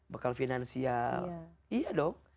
bekal finansial iya dong